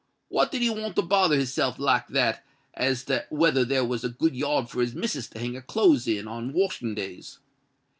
What did he want to bother his self like that as to whether there was a good yard for his missus to hang her clothes in on washing days?